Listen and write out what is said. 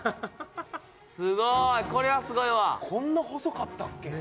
すごいこれはすごいわ・こんな細かったっけ？